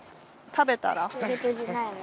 食べたら？